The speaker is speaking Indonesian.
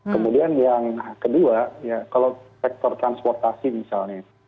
kemudian yang kedua ya kalau sektor transportasi misalnya